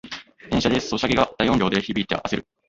電車でソシャゲが大音量で響いてあせる